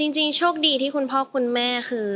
จริงโชคดีที่คุณพ่อคุณแม่คือ